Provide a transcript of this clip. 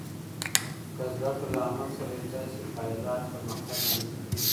که زده کړه له عمل سره یوځای شي، پایدار پرمختګ رامنځته کېږي.